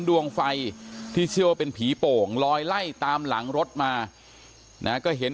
ดวงไฟที่เชื่อว่าเป็นผีโป่งลอยไล่ตามหลังรถมานะก็เห็น